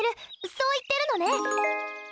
そう言ってるのね？